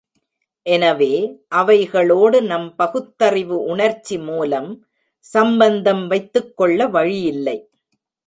எனவே, அவைகளோடு நம் பகுத்தறிவு உணர்ச்சி மூலம் சம்பந்தம் வைத்துக்கொள்ள வழியில்லை.